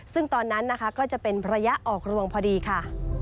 ซึ่งตอนนั้นนะคะก็จะเป็นระยะออกรวงพอดีค่ะ